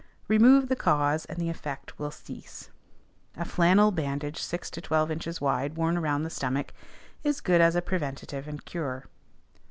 "Remove the cause, and the effect will cease." A flannel bandage six to twelve inches wide, worn around the stomach, is good as a preventive and cure.